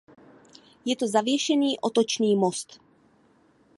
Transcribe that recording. Je to zavěšený otočný most.